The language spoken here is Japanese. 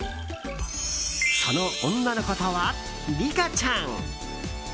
その女の子とは、リカちゃん。